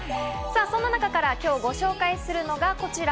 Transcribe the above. そんな中から今日ご紹介するのがこちら。